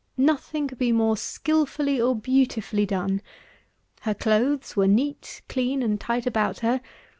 Nothing could be more skilfully or beautifully done. Her clothes were neat, clean, and tight about her.